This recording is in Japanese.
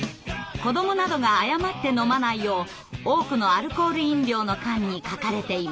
子どもなどが誤って飲まないよう多くのアルコール飲料の缶に書かれています。